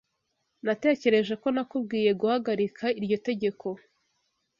Natekereje ko nakubwiye guhagarika iryo tegeko.